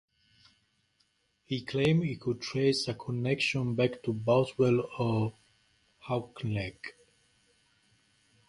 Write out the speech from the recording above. He claimed he could trace a connection back to Boswell of Auchinleck.